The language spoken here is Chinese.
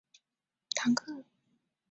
勒马德唐克。